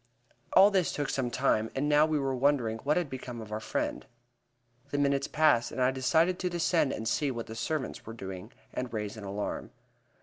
All this took some time, and now we were wondering what had become of our friend. The minutes passed, and I decided to descend and see what the servants were doing, and raise an alarm.